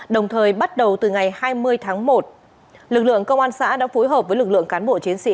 đồng thời bắt đầu từ ngày hai mươi tháng một lực lượng công an xã đã phối hợp với lực lượng cán bộ chiến sĩ